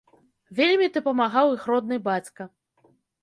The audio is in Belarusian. Вельмі дапамагаў іх родны бацька.